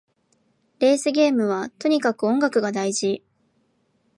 レースゲームはとにかく音楽が大事